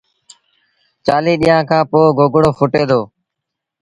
چآليٚه ڏيݩهآݩ کآݩ پو گوگڙو ڦُٽي دو